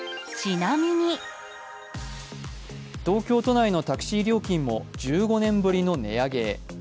東京都内のタクシー料金も１５年ぶりの値上げへ。